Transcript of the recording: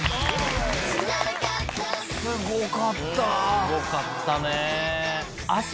すごかったねぇ。